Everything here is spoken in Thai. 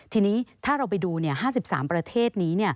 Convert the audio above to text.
ทีนี้ถ้าเราไปดู๕๓ประเทศนี้